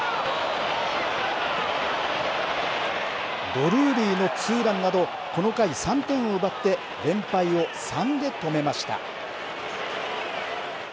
ドルーリーのツーランなどこの回３点を奪って連敗を３で止めました。